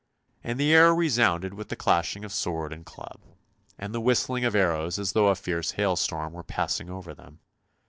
And the air resounded with the clashing of sword and club, and the whistling of arrows as though a fierce hailstorm were passing over them.